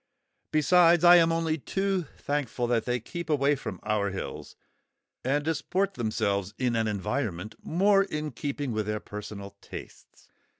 Besides, I am only too thankful that they keep away from our hills, and disport themselves in an environment more in keeping with their personal tastes.